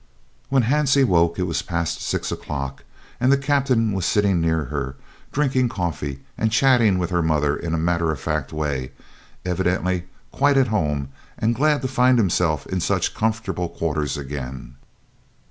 When Hansie woke it was past six o'clock, and the Captain was sitting near her, drinking coffee and chatting with her mother in a matter of fact way, evidently quite at home and glad to find himself in such comfortable quarters again.